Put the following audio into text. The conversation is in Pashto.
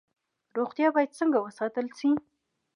روغتیا باید څنګه وساتل شي؟